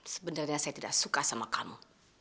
sebenarnya saya tidak suka sama kamu